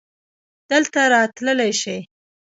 دلته راتللی شې؟